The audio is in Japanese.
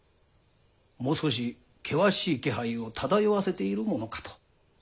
もう少し険しい気配を漂わせているものかと。